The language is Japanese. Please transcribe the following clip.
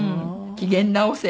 「機嫌直せ。